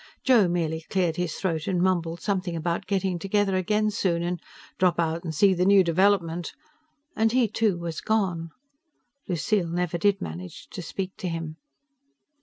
Joe merely cleared his throat and mumbled something about getting together again soon and "drop out and see the new development" and he, too, was gone. Lucille never did manage to speak to him.